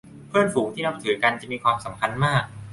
เพื่อนฝูงที่นับถือกันจะมีความสำคัญมาก